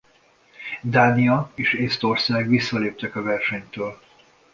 Dánia és Észtország visszaléptek a versenytől.